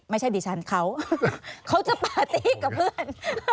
ไม่ใช่ดิฉันเขาเขาจะปาร์ตี้กับเพื่อน